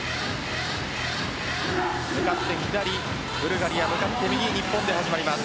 向かって左、ブルガリア向かって右、日本で始まります。